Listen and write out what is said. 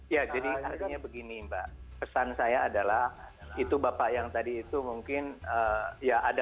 ya jadi artinya begini mbak pesan saya adalah itu bapak yang tadi itu mungkin ya ada